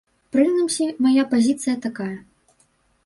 Прынамсі, мая пазіцыя такая.